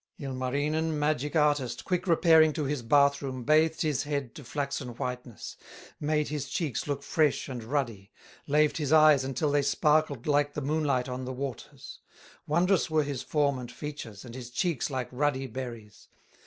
Ilmarinen, magic artist, Quick repairing to his bath room, Bathed his head to flaxen whiteness, Made his cheeks look fresh and ruddy, Laved his eyes until they sparkled Like the moonlight on the waters; Wondrous were his form and features, And his cheeks like ruddy berries.